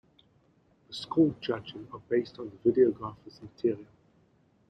The score judging are based on the videographers material.